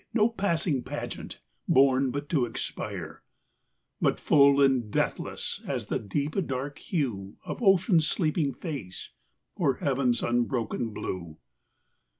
No passing pageant, born but to expire, But full and deathless as the deep dark hue Of ocean's sleeping face, or heaven's unbroken blue. Alaric at Rome.